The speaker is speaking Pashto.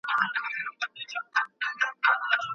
ما په دغه کمپیوټر کي د ژبې د زده کړې ډېر فایلونه واخیسهمېشه.